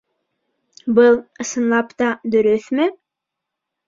Был, ысынлап та, дөрөҫмө?